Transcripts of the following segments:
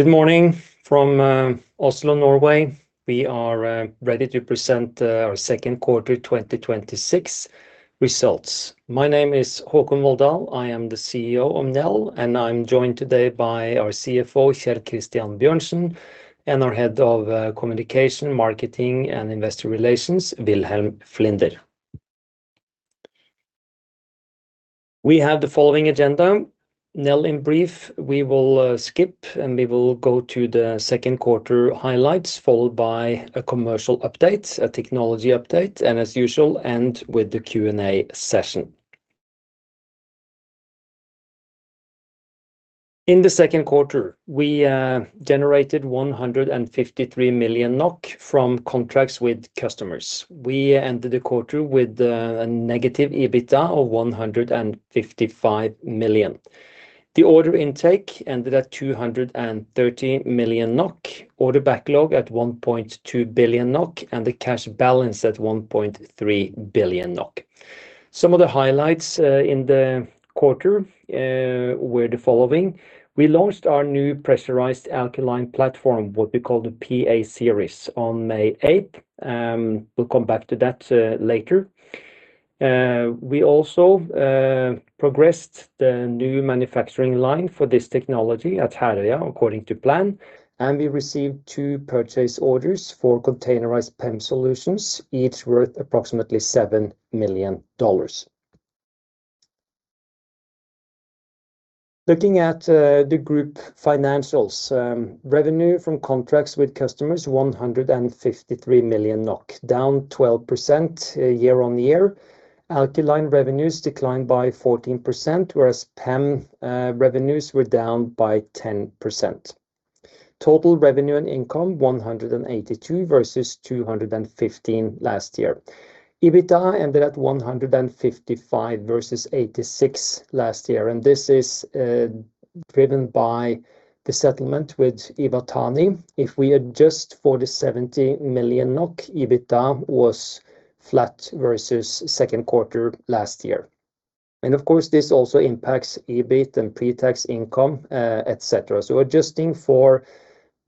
Good morning from Oslo, Norway. We are ready to present our second quarter 2026 results. My name is Håkon Volldal. I am the CEO of Nel, and I am joined today by our CFO, Kjell Christian Bjørnsen, and our Head of Communication, Marketing, and Investor Relations, Wilhelm Flinder. We have the following agenda. Nel in brief, we will skip, and we will go to the second quarter highlights, followed by a commercial update, a technology update, and as usual, end with the Q&A session. In the second quarter, we generated 153 million NOK from contracts with customers. We ended the quarter with a negative EBITDA of 155 million. The order intake ended at 230 million NOK, order backlog at 1.2 billion NOK, and the cash balance at 1.3 billion NOK. Some of the highlights in the quarter were the following. We launched our new pressurized alkaline platform, what we call the PA-Series, on May 8th. We will come back to that later. We also progressed the new manufacturing line for this technology at Herøya according to plan, and we received two purchase orders for containerized PEM solutions, each worth approximately $7 million. Looking at the group financials. Revenue from contracts with customers, 153 million NOK, down 12% year-over-year. Alkaline revenues declined by 14%, whereas PEM revenues were down by 10%. Total revenue and income 182 million versus 215 million last year. EBITDA ended at 155 million versus 86 million last year, and this is driven by the settlement with Iwatani. If we adjust for the 70 million NOK, EBITDA was flat versus second quarter last year. Of course, this also impacts EBIT and pre-tax income, et cetera. Adjusting for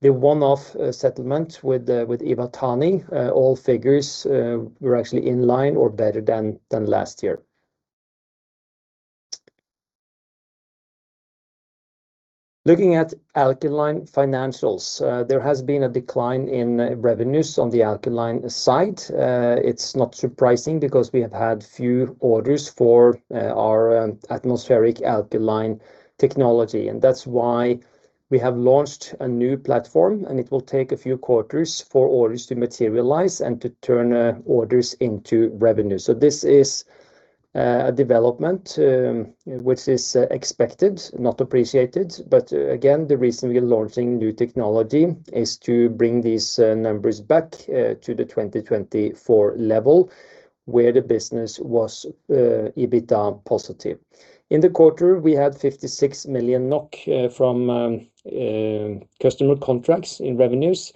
the one-off settlement with Iwatani, all figures were actually in line or better than last year. Looking at alkaline financials. There has been a decline in revenues on the alkaline side. It is not surprising because we have had few orders for our atmospheric alkaline technology, and that is why we have launched a new platform, and it will take a few quarters for orders to materialize and to turn orders into revenue. This is a development, which is expected, not appreciated. Again, the reason we are launching new technology is to bring these numbers back to the 2024 level, where the business was EBITDA positive. In the quarter, we had 56 million NOK from customer contracts in revenues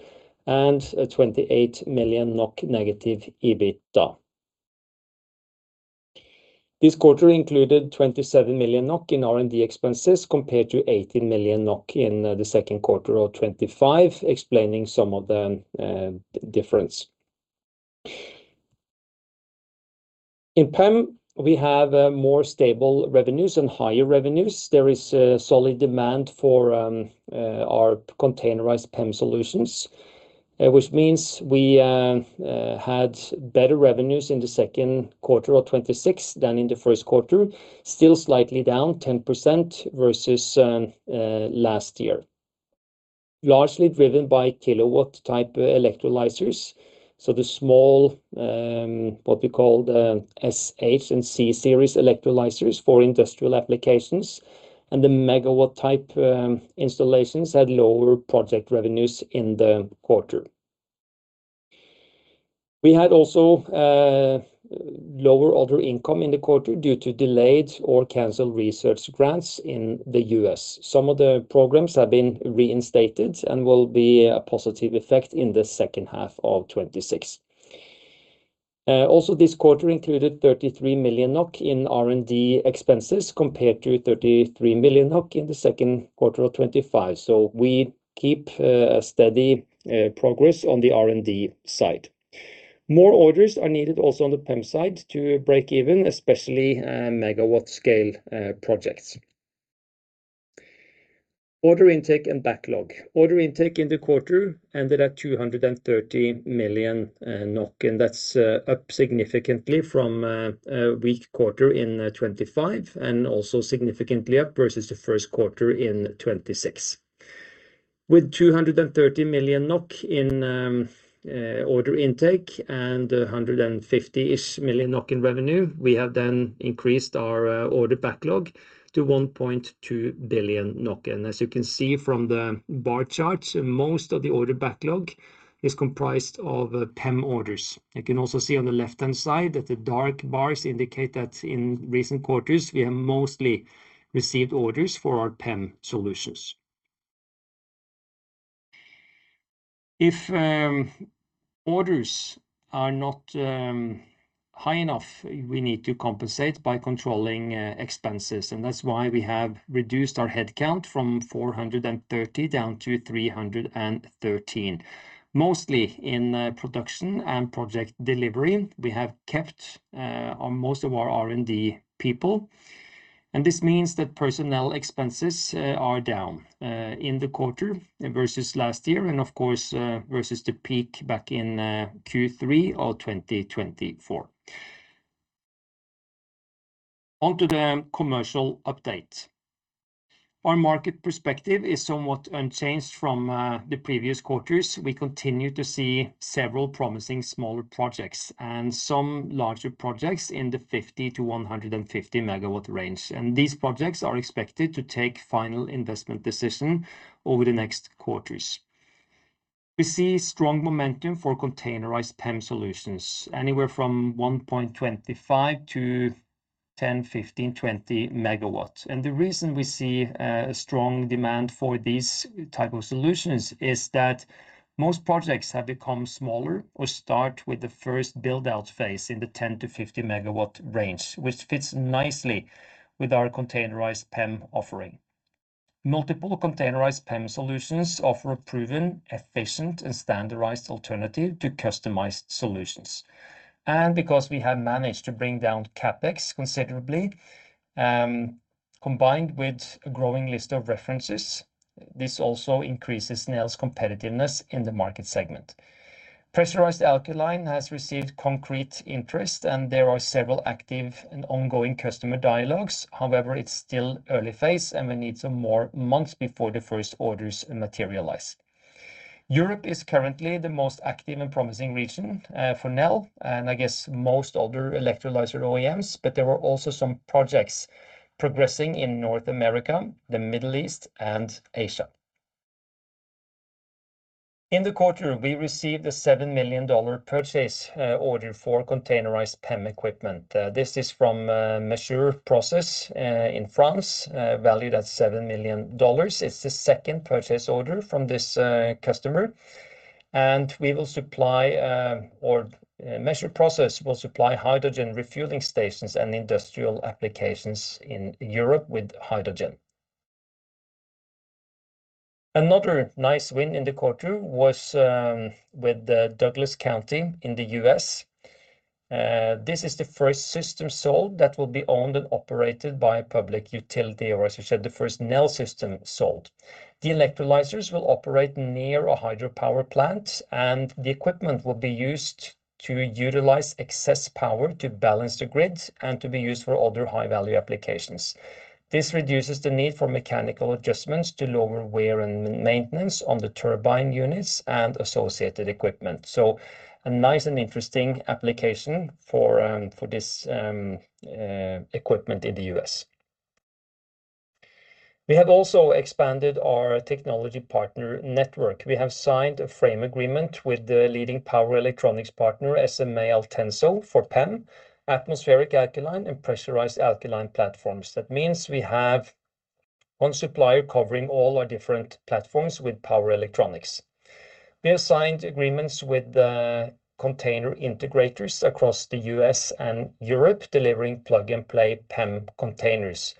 and a -28 million NOK EBITDA. This quarter included 27 million NOK in R&D expenses compared to 18 million NOK in the second quarter of 2025, explaining some of the difference. In PEM, we have more stable revenues and higher revenues. There is a solid demand for our containerized PEM solutions, which means we had better revenues in the second quarter of 2026 than in the first quarter. Still slightly down 10% versus last year, largely driven by kilowatt-type electrolyzers. The small, what we call the S and C Series electrolyzers for industrial applications, and the megawatt-type installations had lower project revenues in the quarter. We had also lower order income in the quarter due to delayed or canceled research grants in the U.S. Some of the programs have been reinstated and will be a positive effect in the second half of 2026. This quarter included 33 million NOK in R&D expenses compared to 33 million NOK in the second quarter of 2025. We keep a steady progress on the R&D side. More orders are needed also on the PEM side to break even, especially megawatt scale projects. Order intake and backlog. Order intake in the quarter ended at 230 million NOK, that's up significantly from a weak quarter in 2025 and also significantly up versus the first quarter in 2026. With 230 million NOK in order intake and 150 million NOK-ish in revenue, we have increased our order backlog to 1.2 billion NOK NOK. As you can see from the bar charts, most of the order backlog is comprised of PEM orders. You can also see on the left-hand side that the dark bars indicate that in recent quarters, we have mostly received orders for our PEM solutions. If orders are not high enough, we need to compensate by controlling expenses, that's why we have reduced our head count from 430 down to 313, mostly in production and project delivery. We have kept most of our R&D people, this means that personnel expenses are down in the quarter versus last year and of course, versus the peak back in Q3 of 2024. On to the commercial update. Our market perspective is somewhat unchanged from the previous quarters. We continue to see several promising smaller projects and some larger projects in the 50-150 MW range. These projects are expected to take final investment decision over the next quarters. We see strong momentum for containerized PEM solutions, anywhere from 1.25 MW to 10 MW, 15 MW, 20 MW. The reason we see a strong demand for these type of solutions is that most projects have become smaller or start with the first build-out phase in the 10-50 MW range, which fits nicely with our containerized PEM offering. Multiple containerized PEM solutions offer a proven, efficient, and standardized alternative to customized solutions. Because we have managed to bring down CapEx considerably, combined with a growing list of references, this also increases Nel's competitiveness in the market segment. Pressurized Alkaline has received concrete interest, there are several active and ongoing customer dialogues. However, it's still early phase, we need some more months before the first orders materialize. Europe is currently the most active and promising region for Nel and I guess most other electrolyzer OEMs, there were also some projects progressing in North America, the Middle East, and Asia. In the quarter, we received a $7 million purchase order for containerized PEM equipment. This is from Mesure Process in France, valued at $7 million. It's the second purchase order from this customer, we will supply, or Mesure Process will supply hydrogen refueling stations and industrial applications in Europe with hydrogen. Another nice win in the quarter was with Douglas County in the U.S. This is the first system sold that will be owned and operated by a public utility, or as we said, the first Nel system sold. The electrolyzers will operate near a hydropower plant, the equipment will be used to utilize excess power to balance the grid and to be used for other high-value applications. This reduces the need for mechanical adjustments to lower wear and maintenance on the turbine units and associated equipment. A nice and interesting application for this equipment in the U.S. We have also expanded our technology partner network. We have signed a frame agreement with the leading power electronics partner, SMA Altenso, for PEM, atmospheric alkaline, and pressurized alkaline platforms. That means we have one supplier covering all our different platforms with power electronics. We have signed agreements with the container integrators across the U.S. and Europe, delivering plug-and-play PEM containers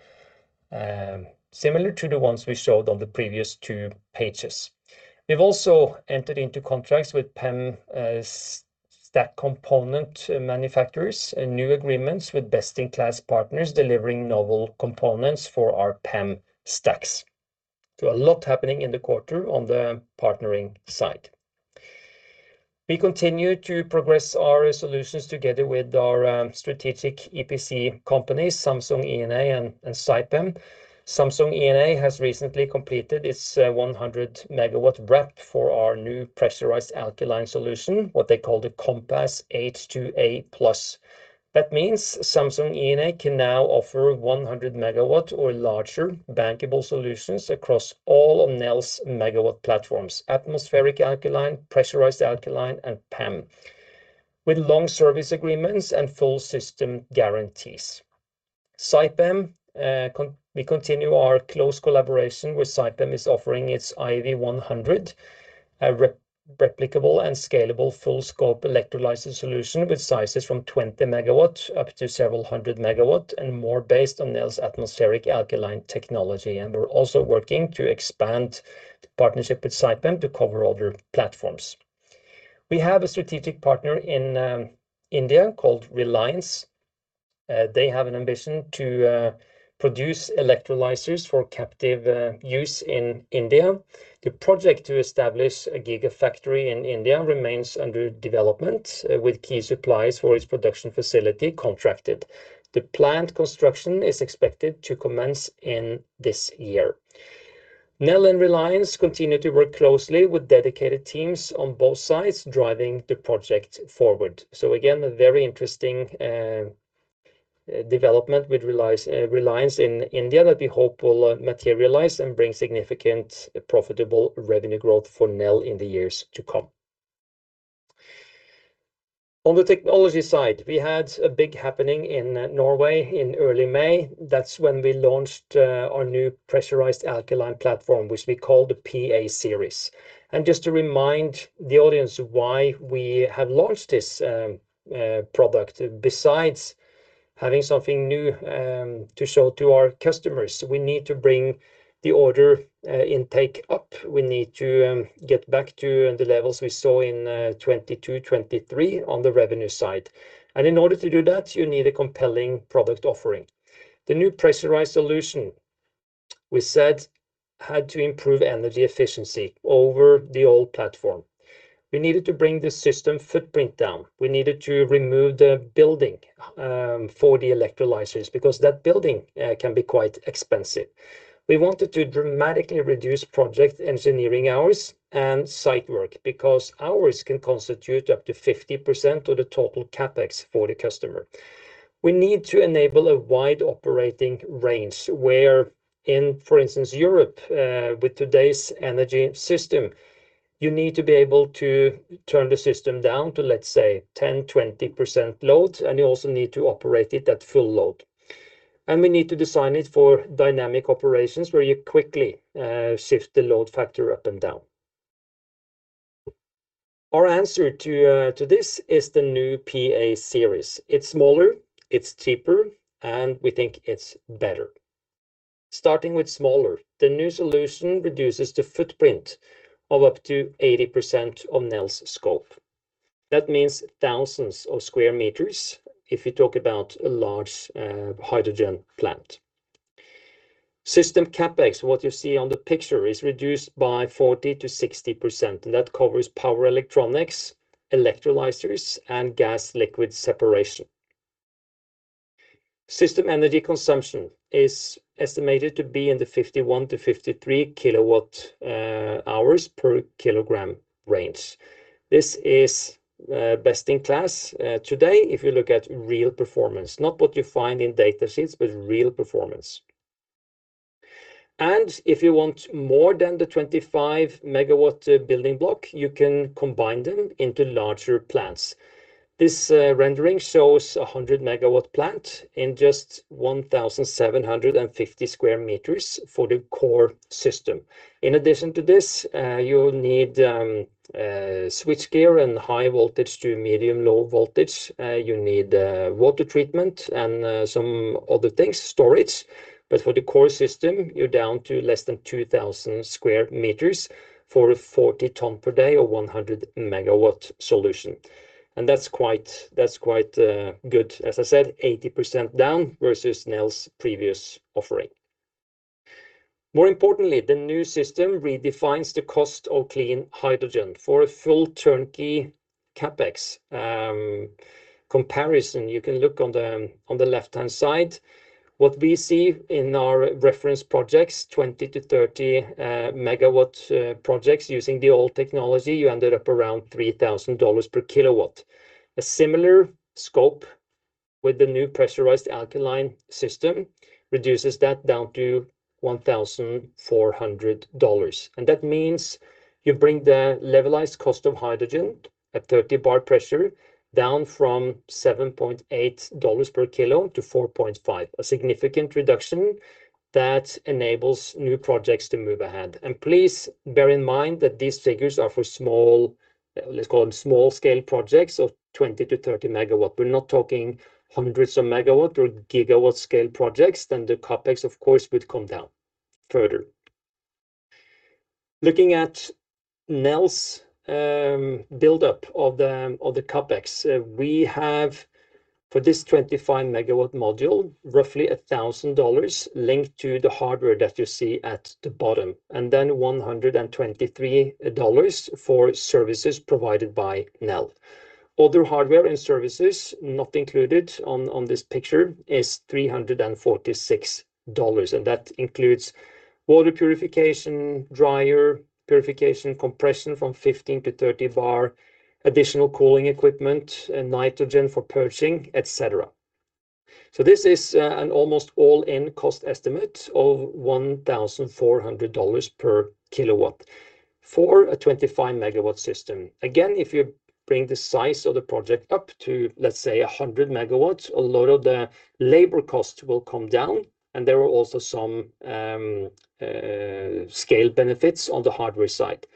similar to the ones we showed on the previous two pages. We've also entered into contracts with PEM stack component manufacturers and new agreements with best-in-class partners delivering novel components for our PEM stacks. A lot happening in the quarter on the partnering side. We continue to progress our solutions together with our strategic EPC companies, Samsung E&A and Saipem. Samsung E&A has recently completed its 100 MW RAP for our new pressurized alkaline solution, what they call the CompassH2-A+. That means Samsung E&A can now offer 100 MW or larger bankable solutions across all of Nel's megawatt platforms, atmospheric alkaline, pressurized alkaline, and PEM, with long service agreements and full system guarantees. Saipem, we continue our close collaboration with Saipem is offering its IVHY 100, a replicable and scalable full-scope electrolyzer solution with sizes from 20 MW up to several hundred megawatt and more based on Nel's atmospheric alkaline technology. We're also working to expand the partnership with Saipem to cover other platforms. We have a strategic partner in India called Reliance. They have an ambition to produce electrolyzers for captive use in India. The project to establish a gigafactory in India remains under development with key suppliers for its production facility contracted. The planned construction is expected to commence in this year. Nel and Reliance continue to work closely with dedicated teams on both sides, driving the project forward. Again, a very interesting development with Reliance in India that we hope will materialize and bring significant profitable revenue growth for Nel in the years to come. On the technology side, we had a big happening in Norway in early May. That's when we launched our new pressurized alkaline platform, which we call the PA-Series. Just to remind the audience why we have launched this product, besides having something new to show to our customers, we need to bring the order intake up. We need to get back to the levels we saw in 2022, 2023 on the revenue side. In order to do that, you need a compelling product offering. The new pressurized solution, we said, had to improve energy efficiency over the old platform. We needed to bring the system footprint down. We needed to remove the building for the electrolyzers because that building can be quite expensive. We wanted to dramatically reduce project engineering hours and site work because hours can constitute up to 50% of the total CapEx for the customer. We need to enable a wide operating range where in, for instance, Europe, with today's energy system, you need to be able to turn the system down to, let's say, 10%, 20% load, and you also need to operate it at full load. We need to design it for dynamic operations where you quickly shift the load factor up and down. Our answer to this is the new PA-Series. It's smaller, it's cheaper, and we think it's better. Starting with smaller, the new solution reduces the footprint of up to 80% on Nel's scope. That means thousands of square meters if you talk about a large hydrogen plant. System CapEx, what you see on the picture, is reduced by 40%-60%, and that covers power electronics, electrolyzers, and gas liquid separation. System energy consumption is estimated to be in the 51-53 kWh/kg range. This is best in class today if you look at real performance, not what you find in data sheets, but real performance. If you want more than the 25 MW building block, you can combine them into larger plants. This rendering shows a 100 MW plant in just 1,750 sq m for the core system. In addition to this, you need switchgear and high voltage to medium/low voltage. You need water treatment and some other things, storage. For the core system, you're down to less than 2,000 sq m for a 40 ton per day or 100 MW solution. That's quite good. As I said, 80% down versus Nel's previous offering. More importantly, the new system redefines the cost of clean hydrogen. For a full turnkey CapEx comparison, you can look on the left-hand side. What we see in our reference projects, 20-30 MW projects using the old technology, you ended up around $3,000/kW. A similar scope with the new pressurized alkaline system reduces that down to $1,400. That means you bring the levelized cost of hydrogen at 30 bar pressure down from $7.8/kg to $4.5/kg, a significant reduction that enables new projects to move ahead. Please bear in mind that these figures are for small, let's call them small-scale projects of 20-30 MW. We're not talking hundreds of megawatt or gigawatt scale projects. The CapEx, of course, would come down further. Looking at Nel's buildup of the CapEx, we have for this 25 MW module, roughly $1,000 linked to the hardware that you see at the bottom, and then $123 for services provided by Nel. Other hardware and services not included on this picture is $346, and that includes water purification, dryer purification, compression from 15-30 bar, additional cooling equipment, and nitrogen for purging, et cetera. This is an almost all in cost estimate of $1,400/kW for a 25 MW system. Again, if you bring the size of the project up to, let's say, 100 MW, a lot of the labor cost will come down, and there are also some scale benefits on the hardware side,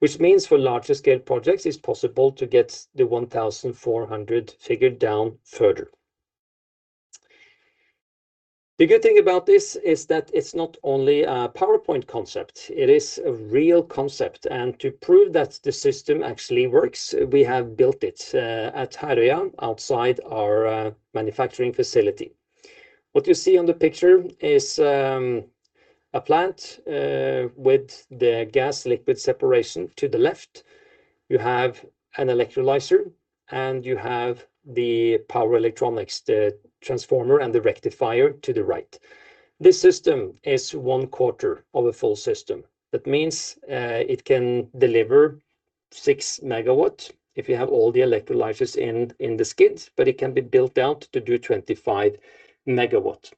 which means for larger scale projects, it's possible to get the 1,400 figure down further. The good thing about this is that it's not only a PowerPoint concept, it is a real concept. To prove that the system actually works, we have built it at Herøya outside our manufacturing facility. What you see on the picture is a plant with the gas liquid separation to the left. You have an electrolyzer, and you have the power electronics, the transformer, and the rectifier to the right. This system is one quarter of a full system. That means it can deliver six megawatts if you have all the electrolyzers in the skids, but it can be built out to do 25 MW.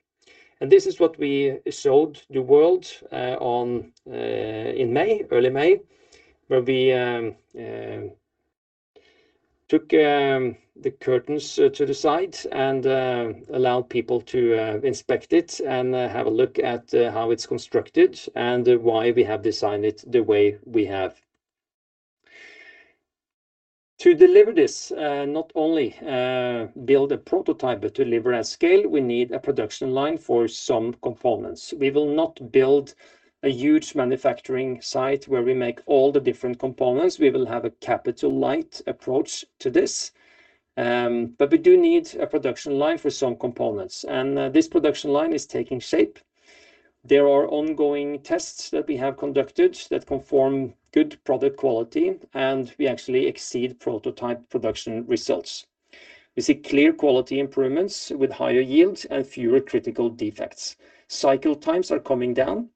This is what we showed the world in early May, where we took the curtains to the side and allowed people to inspect it and have a look at how it is constructed and why we have designed it the way we have. To deliver this, not only build a prototype, but deliver at scale, we need a production line for some components. We will not build a huge manufacturing site where we make all the different components. We will have a capital-light approach to this. But we do need a production line for some components, and this production line is taking shape. There are ongoing tests that we have conducted that confirm good product quality, and we actually exceed prototype production results. We see clear quality improvements with higher yields and fewer critical defects. Cycle times are coming down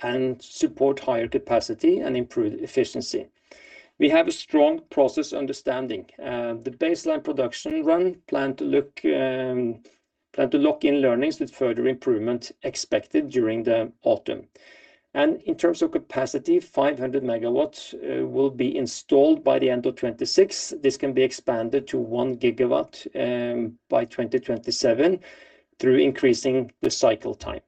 and support higher capacity and improve efficiency. We have a strong process understanding. The baseline production run planned to lock in learnings with further improvement expected during the autumn. In terms of capacity, 500 MW will be installed by the end of 2026. This can be expanded to 1 GW by 2027 through increasing the cycle time.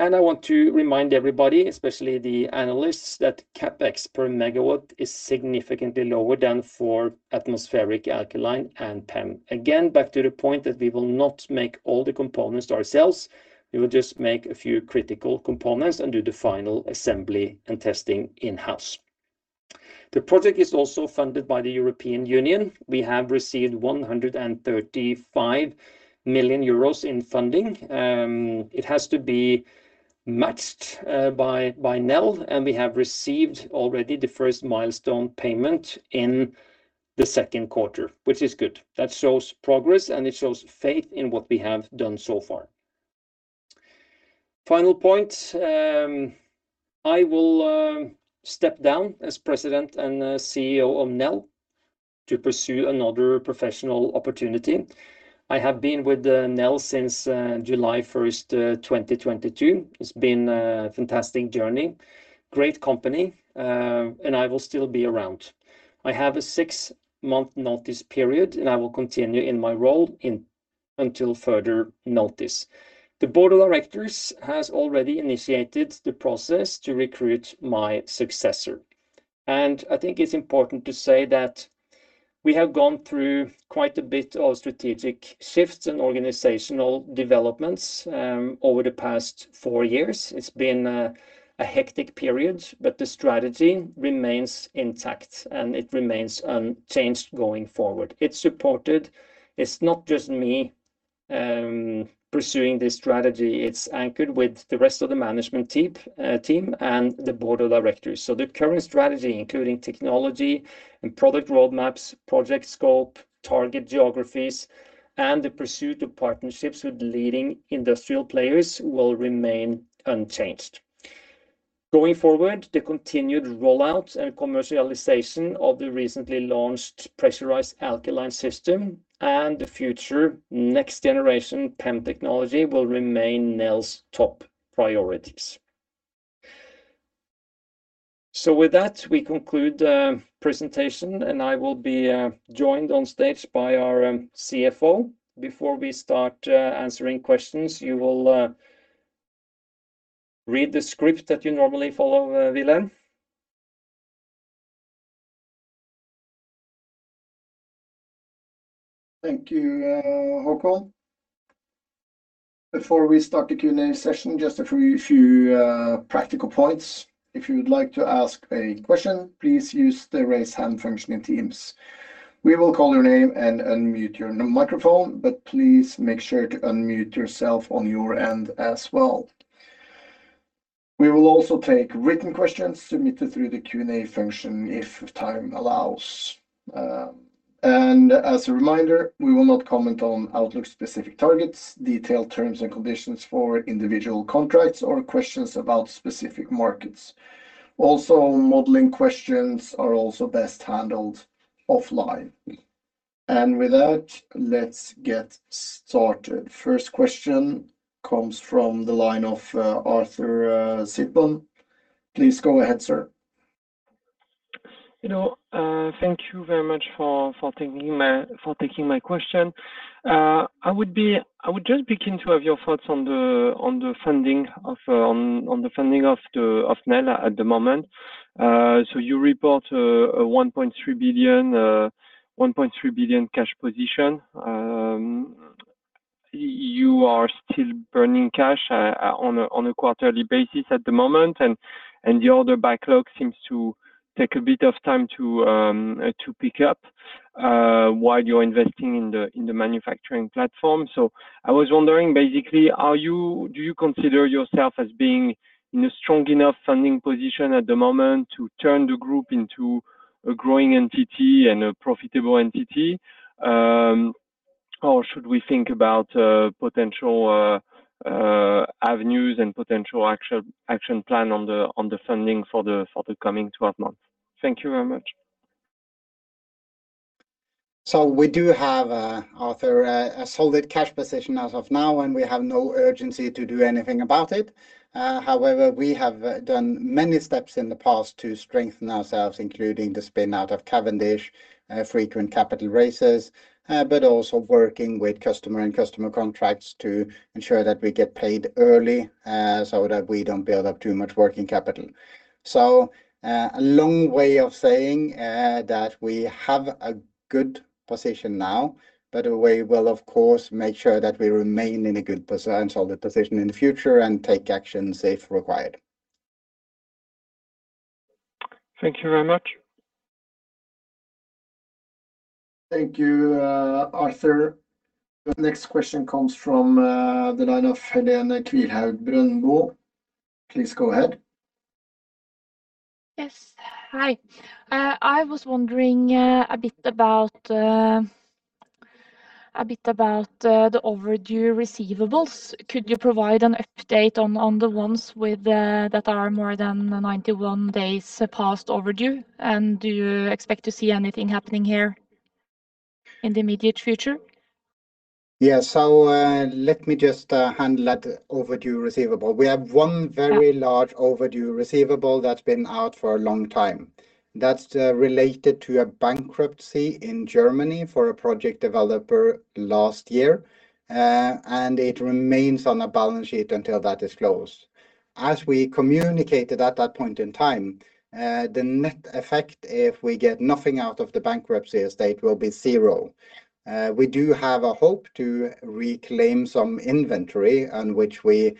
I want to remind everybody, especially the analysts, that CapEx per megawatt is significantly lower than for atmospheric alkaline and PEM. Again, back to the point that we will not make all the components ourselves. We will just make a few critical components and do the final assembly and testing in-house. The project is also funded by the European Union. We have received 135 million euros in funding. It has to be matched by Nel, and we have received already the first milestone payment in the second quarter, which is good. That shows progress, and it shows faith in what we have done so far. Final point, I will step down as President and CEO of Nel to pursue another professional opportunity. I have been with Nel since July 1st, 2022. It has been a fantastic journey, great company, and I will still be around. I have a six-month notice period, and I will continue in my role until further notice. The Board of Directors has already initiated the process to recruit my successor. I think it is important to say that we have gone through quite a bit of strategic shifts and organizational developments, over the past four years. It has been a hectic period, but the strategy remains intact, and it remains unchanged going forward. It is supported. It is not just me pursuing this strategy. It is anchored with the rest of the management team and the Board of Directors. The current strategy, including technology and product roadmaps, project scope, target geographies, and the pursuit of partnerships with leading industrial players will remain unchanged. Going forward, the continued rollout and commercialization of the recently launched pressurized alkaline system and the future next generation PEM technology will remain Nel's top priorities. With that, we conclude the presentation, and I will be joined on stage by our CFO. Before we start answering questions, you will read the script that you normally follow, Wilhelm. Thank you, Håkon. Before we start the Q&A session, just a few practical points. If you would like to ask a question, please use the raise hand function in Teams. We will call your name and unmute your microphone, but please make sure to unmute yourself on your end as well. We will also take written questions submitted through the Q&A function if time allows. As a reminder, we will not comment on outlook-specific targets, detailed terms and conditions for individual contracts, or questions about specific markets. Modeling questions are also best handled offline. With that, let's get started. First question comes from the line of Arthur Sitbon. Please go ahead, sir. Thank you very much for taking my question. I would just be keen to have your thoughts on the funding of Nel at the moment. You report a 1.3 billion cash position. You are still burning cash on a quarterly basis at the moment, and the order backlog seems to take a bit of time to pick up while you're investing in the manufacturing platform. I was wondering, basically, do you consider yourself as being in a strong enough funding position at the moment to turn the group into a growing entity and a profitable entity? Or should we think about potential avenues and potential action plan on the funding for the coming 12 months? Thank you very much. We do have, Arthur, a solid cash position as of now, and we have no urgency to do anything about it. However, we have done many steps in the past to strengthen ourselves, including the spin-out of Cavendish, frequent capital raises, but also working with customer and customer contracts to ensure that we get paid early, so that we don't build up too much working capital. A long way of saying that we have a good position now, but we will, of course, make sure that we remain in a good and solid position in the future and take actions if required. Thank you very much. Thank you, Arthur. The next question comes from the line of Helene Kvilhaug Brøndbo. Please go ahead. Yes. Hi. I was wondering a bit about the overdue receivables. Could you provide an update on the ones that are more than 91 days past overdue? Do you expect to see anything happening here in the immediate future? Yes. Let me just handle that overdue receivable. We have one very large overdue receivable that's been out for a long time. That's related to a bankruptcy in Germany for a project developer last year, and it remains on a balance sheet until that is closed. As we communicated at that point in time, the net effect, if we get nothing out of the bankruptcy estate, will be zero. We do have a hope to reclaim some inventory on which we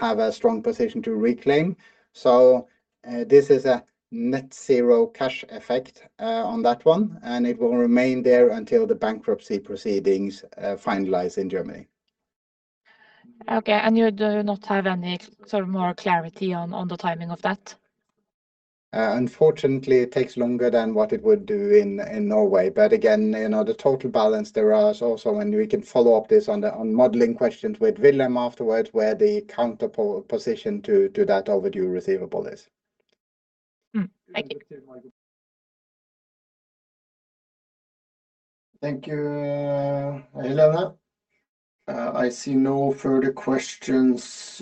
have a strong position to reclaim. This is a net zero cash effect on that one, and it will remain there until the bankruptcy proceedings finalize in Germany. Okay, you do not have any more clarity on the timing of that? Unfortunately, it takes longer than what it would do in Norway. Again, the total balance there also, and we can follow up this on modeling questions with Wilhelm afterwards, where the counter position to that overdue receivable is. Thank you. Thank you, Helene. I see no further questions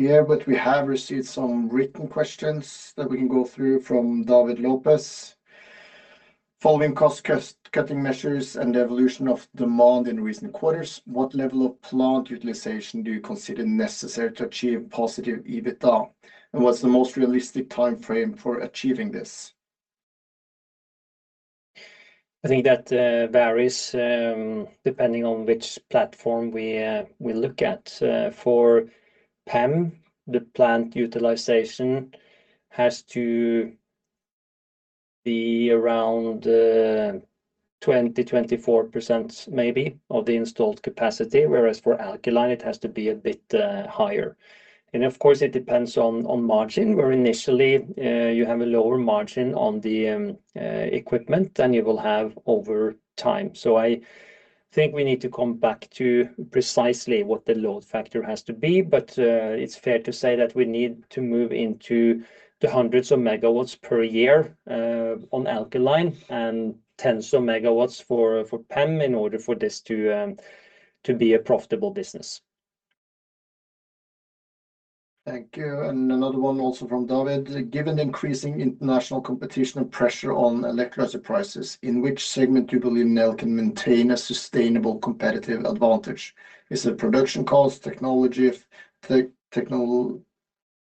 here. We have received some written questions that we can go through from David Lucas. Following cost-cutting measures and the evolution of demand in recent quarters, what level of plant utilization do you consider necessary to achieve positive EBITDA, and what's the most realistic timeframe for achieving this? I think that varies depending on which platform we look at. For PEM, the plant utilization has to be around 20%-24% maybe of the installed capacity, whereas for alkaline, it has to be a bit higher. Of course, it depends on margin, where initially you have a lower margin on the equipment than you will have over time. I think we need to come back to precisely what the load factor has to be. It's fair to say that we need to move into the hundreds of megawatts per year on alkaline and tens of megawatts for PEM in order for this to be a profitable business. Thank you. Another one also from David. Given the increasing international competition and pressure on electrolyzer prices, in which segment do you believe Nel can maintain a sustainable competitive advantage? Is it production cost, technology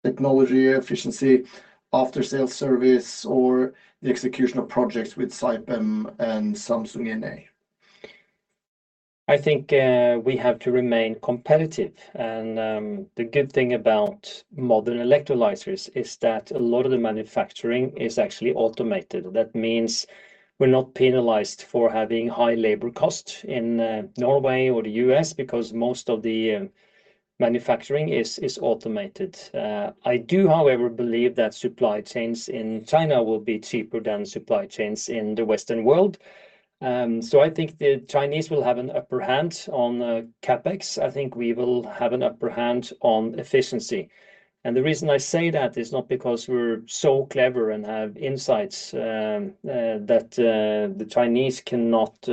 efficiency, after-sales service, or the execution of projects with Saipem and Samsung E&A? I think we have to remain competitive. The good thing about modern electrolyzers is that a lot of the manufacturing is actually automated. That means we're not penalized for having high labor cost in Norway or the U.S. because most of the manufacturing is automated. I do, however, believe that supply chains in China will be cheaper than supply chains in the Western world. I think the Chinese will have an upper hand on CapEx. I think we will have an upper hand on efficiency. The reason I say that is not because we're so clever and have insights that the Chinese cannot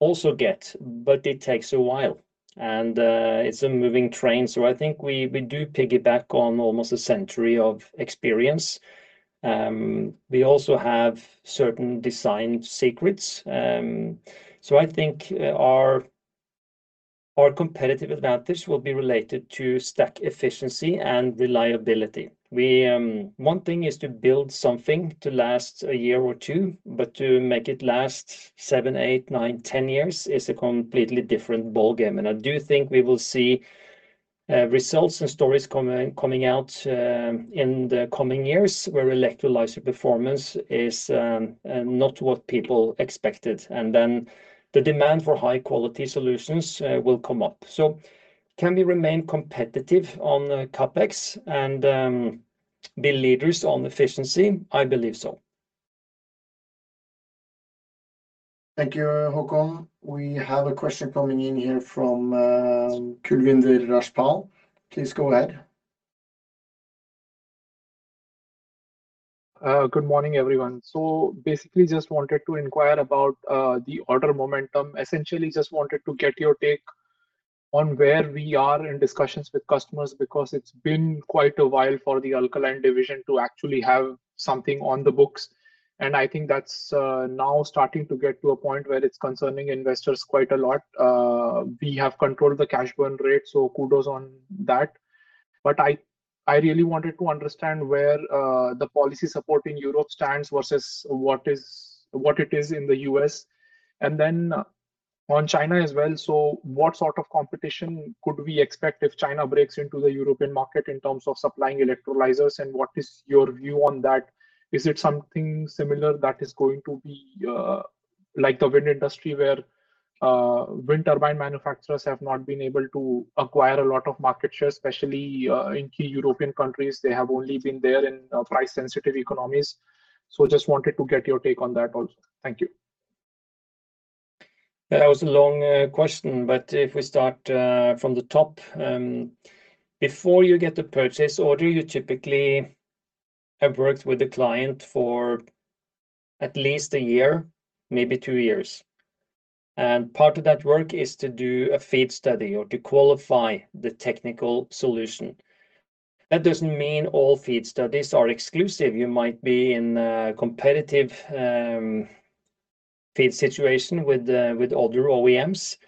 also get, but it takes a while, and it's a moving train. I think we do piggyback on almost a century of experience. We also have certain design secrets. I think our competitive advantage will be related to stack efficiency and reliability. One thing is to build something to last a year or two, but to make it last seven, eight, nine, 10 years is a completely different ballgame. I do think we will see results and stories coming out in the coming years where electrolyzer performance is not what people expected, and then the demand for high-quality solutions will come up. Can we remain competitive on CapEx and be leaders on efficiency? I believe so. Thank you, Håkon. We have a question coming in here from Kulwinder Rajpal. Please go ahead. Good morning, everyone. Basically just wanted to inquire about the order momentum. Essentially, just wanted to get your take on where we are in discussions with customers, because it's been quite a while for the alkaline division to actually have something on the books, and I think that's now starting to get to a point where it's concerning investors quite a lot. We have controlled the cash burn rate, kudos on that. I really wanted to understand where the policy support in Europe stands versus what it is in the U.S. On China as well, what sort of competition could we expect if China breaks into the European market in terms of supplying electrolyzers, and what is your view on that? Is it something similar that is going to be like the wind industry, where wind turbine manufacturers have not been able to acquire a lot of market share, especially in key European countries? They have only been there in price-sensitive economies. Just wanted to get your take on that also. Thank you. That was a long question, if we start from the top. Before you get the purchase order, you typically have worked with the client for at least a year, maybe two years. Part of that work is to do a FEED study or to qualify the technical solution. That doesn't mean all FEED studies are exclusive. You might be in a competitive FEED situation with other OEMs,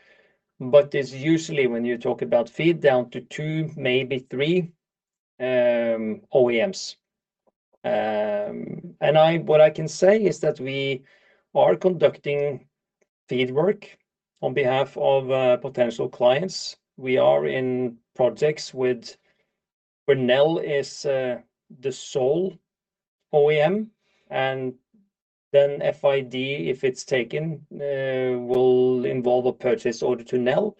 it's usually when you talk about FEED, down to two, maybe three OEMs. What I can say is that we are conducting FEED work on behalf of potential clients. We are in projects where Nel is the sole OEM, then FID, if it's taken, will involve a purchase order to Nel.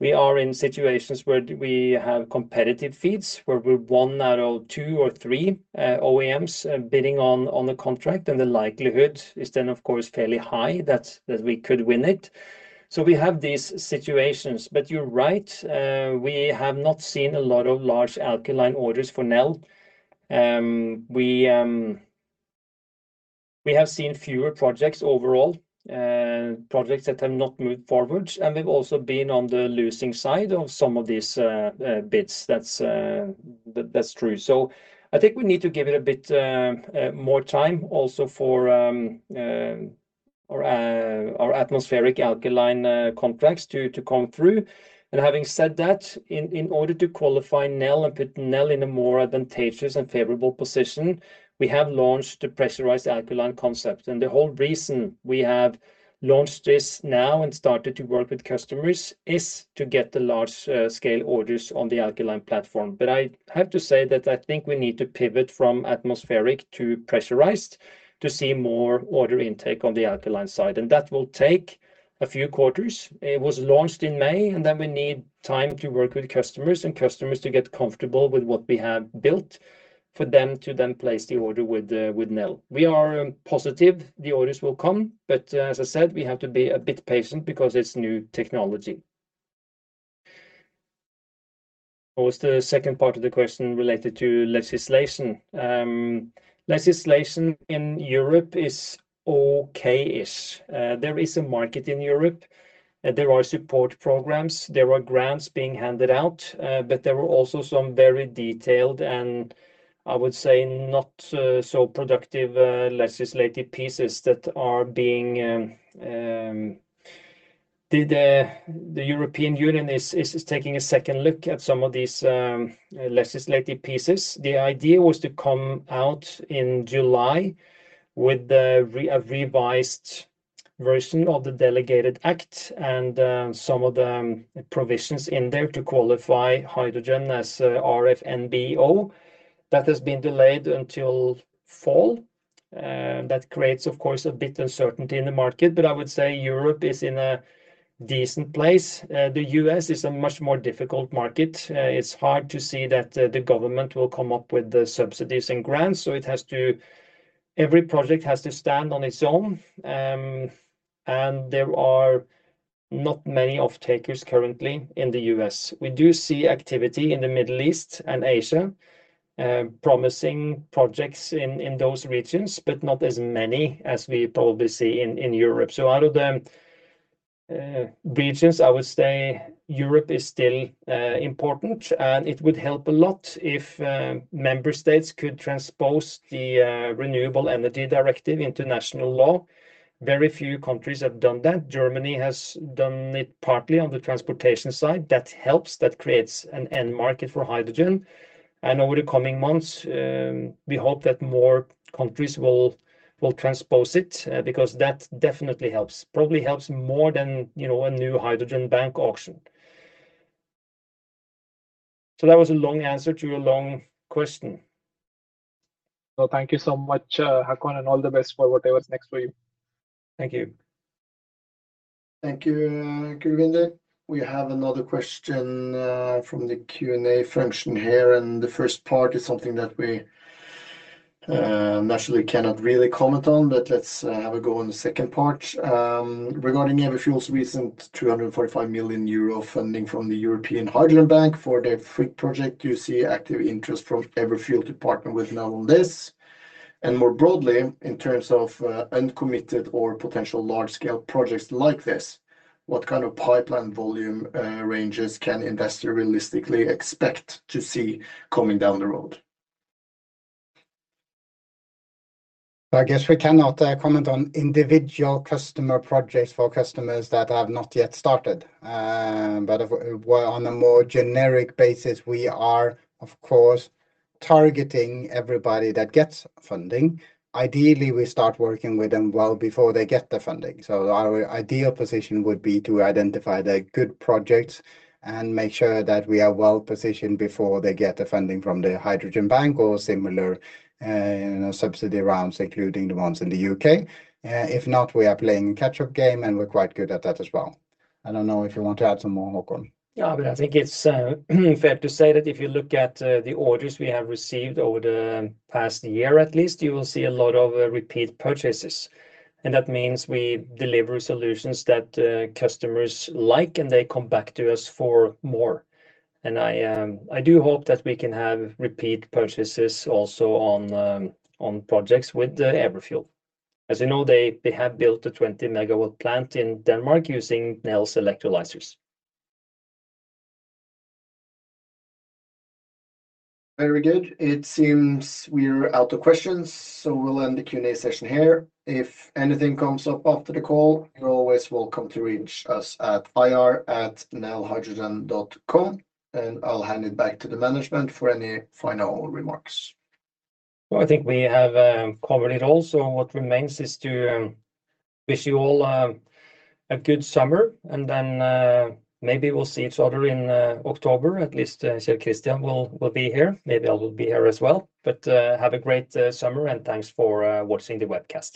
We are in situations where we have competitive FEEDs, where we're one out of two or three OEMs bidding on the contract, the likelihood is then of course fairly high that we could win it. We have these situations. You're right, we have not seen a lot of large alkaline orders for Nel. We have seen fewer projects overall, projects that have not moved forward, we've also been on the losing side of some of these bids. That's true. I think we need to give it a bit more time also for our atmospheric alkaline contracts to come through. Having said that, in order to qualify Nel and put Nel in a more advantageous and favorable position, we have launched the pressurized alkaline concept. The whole reason we have launched this now and started to work with customers is to get the large-scale orders on the alkaline platform. I have to say that I think we need to pivot from atmospheric to pressurized to see more order intake on the alkaline side, and that will take a few quarters. It was launched in May, then we need time to work with customers and customers to get comfortable with what we have built for them to then place the order with Nel. We are positive the orders will come, but as I said, we have to be a bit patient because it's new technology. What was the second part of the question related to legislation? Legislation in Europe is okay-ish. There is a market in Europe. There are support programs. There are grants being handed out. There were also some very detailed, and I would say not so productive legislative pieces that are being The European Union is taking a second look at some of these legislative pieces. The idea was to come out in July with a revised version of the Delegated Act and some of the provisions in there to qualify hydrogen as RFNBO. That has been delayed until fall. Creates, of course, a bit uncertainty in the market. I would say Europe is in a decent place. The U.S. is a much more difficult market. It's hard to see that the government will come up with the subsidies and grants, so every project has to stand on its own. There are not many off-takers currently in the U.S. We do see activity in the Middle East and Asia, promising projects in those regions, not as many as we probably see in Europe. Out of the regions, I would say Europe is still important, and it would help a lot if member states could transpose the Renewable Energy Directive into national law. Very few countries have done that. Germany has done it partly on the transportation side. That helps. That creates an end market for hydrogen. Over the coming months, we hope that more countries will transpose it, because that definitely helps. Probably helps more than a new European Hydrogen Bank auction. That was a long answer to your long question. Thank you so much, Håkon, all the best for whatever is next for you. Thank you. Thank you, Kulwinder. We have another question from the Q&A function here, and the first part is something that we naturally cannot really comment on, but let's have a go on the second part. Regarding Everfuel's recent 245 million euro funding from the European Hydrogen Bank for their [Fred] project, do you see active interest from Everfuel to partner with Nel on this? More broadly, in terms of uncommitted or potential large-scale projects like this, what kind of pipeline volume ranges can investors realistically expect to see coming down the road? I guess we cannot comment on individual customer projects for customers that have not yet started. On a more generic basis, we are, of course, targeting everybody that gets funding. Ideally, we start working with them well before they get the funding. So our ideal position would be to identify their good projects and make sure that we are well-positioned before they get the funding from the Hydrogen Bank or similar subsidy rounds, including the ones in the U.K. If not, we are playing catch-up game, and we're quite good at that as well. I don't know if you want to add some more, Håkon. Yeah, but I think it's fair to say that if you look at the orders we have received over the past year at least, you will see a lot of repeat purchases. That means we deliver solutions that customers like, and they come back to us for more. I do hope that we can have repeat purchases also on projects with Everfuel. As you know, they have built a 20 MW plant in Denmark using Nel's electrolyzers. Very good. It seems we're out of questions, so we'll end the Q&A session here. If anything comes up after the call, you're always welcome to reach us at ir@nelhydrogen.com. I'll hand it back to the management for any final remarks. Well, I think we have covered it all. What remains is to wish you all a good summer, and then maybe we'll see each other in October. At least Kjell Christian will be here. Maybe I will be here as well. Have a great summer, and thanks for watching the webcast.